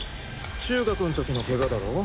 中学ん時のケガだろ？